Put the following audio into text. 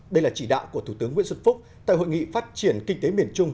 đây là chỉ đạo của thủ tướng nguyễn xuân phúc tại hội nghị phát triển kinh tế miền trung